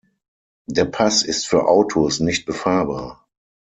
Der Pass ist für Autos nicht befahrbar.